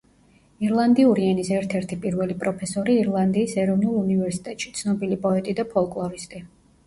ირლანდიური ენის ერთ-ერთი პირველი პროფესორი ირლანდიის ეროვნულ უნივერსიტეტში, ცნობილი პოეტი და ფოლკლორისტი.